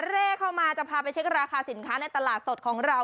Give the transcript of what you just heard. เร่เข้ามาจะพาไปเช็คราคาสินค้าในตลาดสดของเรา